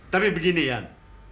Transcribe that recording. tapi begini yan